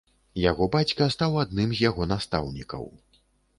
Яго бацька стаў адным з яго настаўнікаў.